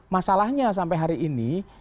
masalahnya sampai hari ini